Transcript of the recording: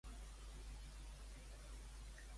O rei o res.